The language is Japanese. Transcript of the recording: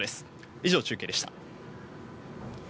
以上、中継でした。